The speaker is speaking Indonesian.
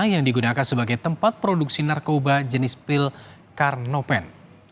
yang digunakan sebagai tempat produksi narkoba jenis pil carnopen